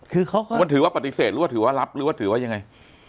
คือเขามันถือว่าปฏิเสธหรือว่าถือว่ารับหรือว่าถือว่ายังไง